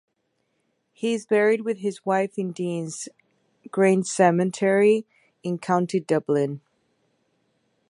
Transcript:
He is buried with his wife in Deans Grange Cemetery in County Dublin.